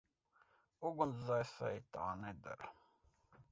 Ugunsdzēsēji tā nedara.